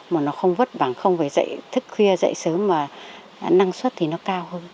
mà nó không vất vả không phải dậy thức khuya dậy sớm mà năng suất thì nó cao hơn